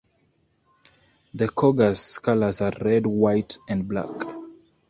The Cougars colours are red, white and black.